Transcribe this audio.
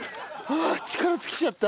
ああ力尽きちゃった。